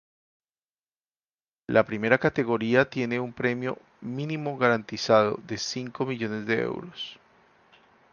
La primera categoría tienen un premio "mínimo garantizado" de cinco millones de euros.